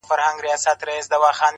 خوی دمیړه زړه دزمري.